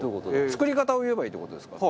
作り方を言えばいいって事ですか。